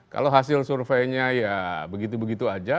kalau hasil surveinya ya begitu begitu aja